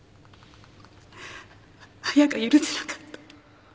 亜矢が許せなかった。